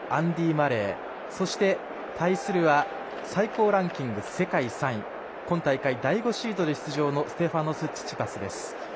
マレーそして、対するは最高ランキング世界３位今大会、第５シードで出場のステファノス・チチパスです。